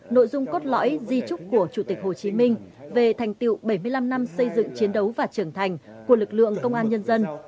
nội dung cốt lõi di trúc của chủ tịch hồ chí minh về thành tiệu bảy mươi năm năm xây dựng chiến đấu và trưởng thành của lực lượng công an nhân dân